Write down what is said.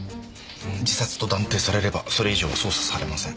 自殺と断定されればそれ以上捜査されません。